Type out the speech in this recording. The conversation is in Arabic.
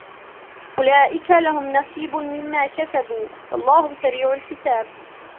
أولئك لهم نصيب مما كسبوا والله سريع الحساب